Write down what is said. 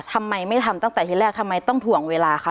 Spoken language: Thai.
ทำไมไม่ทำตั้งแต่ที่แรกทำไมต้องถ่วงเวลาคะ